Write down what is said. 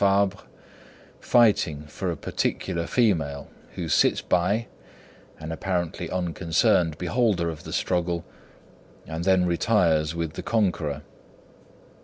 Fabre, fighting for a particular female who sits by, an apparently unconcerned beholder of the struggle, and then retires with the conqueror.